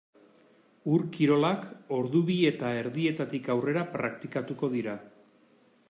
Ur-kirolak ordu bi eta erdietatik aurrera praktikatuko dira.